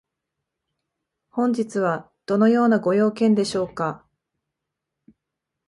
本日はどのようなご用件でしょうか？